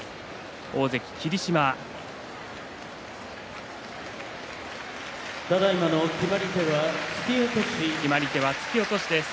大関の霧島です。